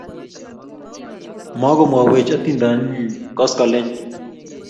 mukumwowech atindionde nyin koskoleny